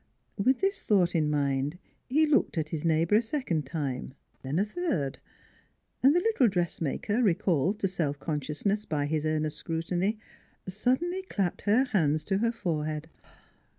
With this thought in mind, he looked at his neighbor a second time, then a third; and the little dressmaker recalled to self consciousness by his earnest scrutiny, suddenly clapped her hands to her forehead.